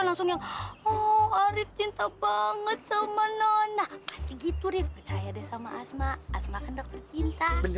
ngobrol ngeri kalau misalnya dia masih nolak cinta saya gimana gak mungkin kan udah dibilangin sama asma kalau misalnya nanti dia ngelihat arif nyobotnya